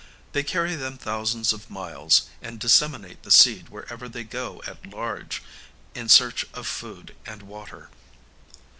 They carry them thousands of miles, and disseminate the seed wherever they go at large in search of food and water.